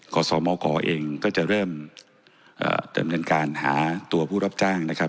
สมกเองก็จะเริ่มดำเนินการหาตัวผู้รับจ้างนะครับ